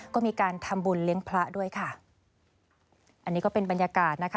ก็มีการทำบุญเลี้ยงพระด้วยค่ะอันนี้ก็เป็นบรรยากาศนะคะ